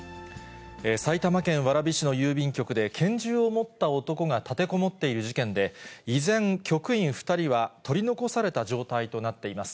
埼玉県蕨市の郵便局で拳銃を持った男が立てこもっている事件で、依然、局員２人は取り残された状態となっています。